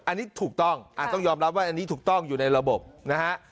อันนี้ถูกต้องต้องยอมรับว่าอันนี้ถูกต้องอยู่ในระบบนะฮะ